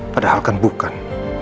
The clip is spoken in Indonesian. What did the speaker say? padahal kan bukan